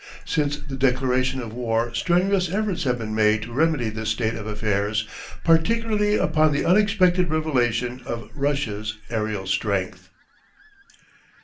Since the declaration of war strenuous efforts have been made to remedy this state of affairs, particularly upon the unexpected revelation of Russia's aerial strength.